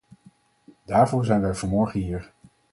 Daarvoor zijn wij vanmorgen hier.